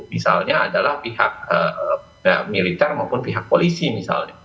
misalnya adalah pihak militer maupun pihak polisi misalnya